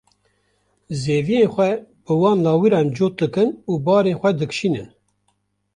zeviyên xwe bi wan lawiran cot dikin û barên xwe dikişînin.